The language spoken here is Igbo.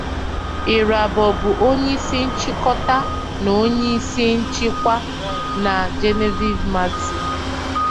Irabor bụ onye isi nchịkọta na onye isi nchịkwa nke Genevieve magazine.